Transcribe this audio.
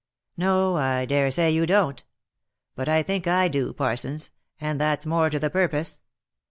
" No, I dare say you don't. But I think I do, Parsons, and that's more to the purpose.